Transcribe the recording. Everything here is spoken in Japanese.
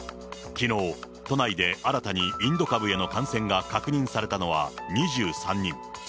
きのう、都内で新たにインド株への感染が確認されたのは２３人。